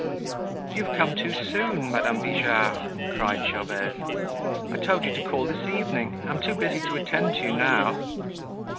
"You've come too soon, Madame Bijard!" cried Gervaise. "I told you to call this evening. I'm too busy to attend to you now!"